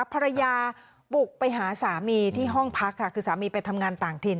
ภรรยาบุกไปหาสามีที่ห้องพักค่ะคือสามีไปทำงานต่างถิ่น